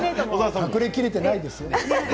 隠れきれていないですよ。